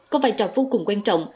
có vai trò vô cùng quan trọng